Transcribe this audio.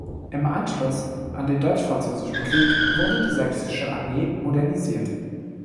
Im Anschluss an den Deutsch-Französischen Krieg wurde die Sächsische Armee modernisiert.